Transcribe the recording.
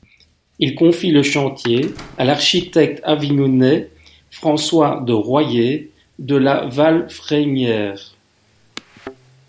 Il confie le chantier à l'architecte avignonnais, François de Royers de la Valfrenière.